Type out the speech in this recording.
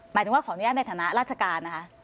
หมายถึงว่าขออนุญาตในฐานะราชการนะคะ